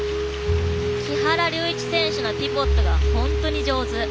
木原龍一選手のピボットが本当に上手。